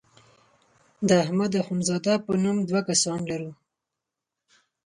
د احمد اخوند زاده په نوم دوه کسان لرو.